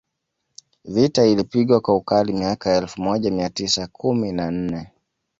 Vita ilipigwa kwa ukali miaka ya elfu moja mia tisa kumi na nne